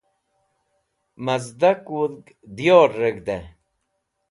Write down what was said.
mazdak wudg dyor reg̃hd'ey